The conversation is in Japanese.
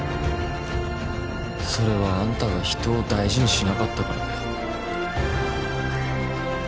それはあんたが人を大事にしなかったからだよ